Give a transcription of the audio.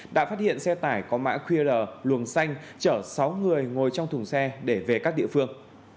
đã phát hiện xe tải có mã qr luồng xanh chở sáu người ngồi trong thùng xe để về các địa phương